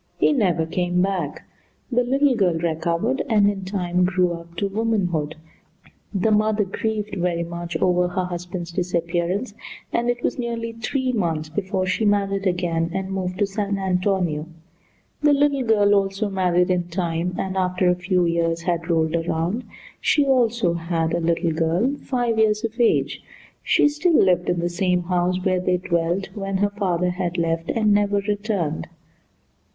He never came back. The little girl recovered and in time grew up to womanhood. The mother grieved very much over her husband's disappearance, and it was nearly three months before she married again, and moved to San Antonio. The little girl also married in time, and after a few years had rolled around, she also had a little girl five years of age. She still lived in the same house where they dwelt when her father had left and never returned.